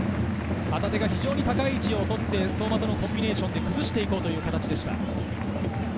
旗手が高い位置をとって相馬とのコンビネーションで崩していこうという形でした。